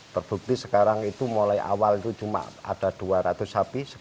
terbukti sekarang itu mulai awal itu cuma ada dua ratus sapi